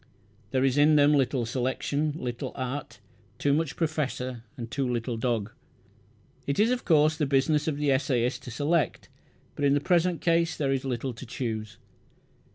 There is in them little selection, little art too much professor and too little dog. It is, of course, the business of the essayist to select; but in the present case there is little to choose.